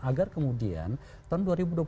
agar kemudian tahun dua ribu dua puluh